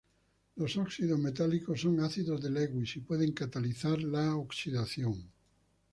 Los óxidos metálicos son ácidos de Lewis y pueden catalizar la oxidación.